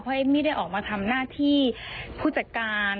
เอมมี่ได้ออกมาทำหน้าที่ผู้จัดการ